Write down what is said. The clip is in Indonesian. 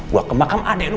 gua ke makam adik lu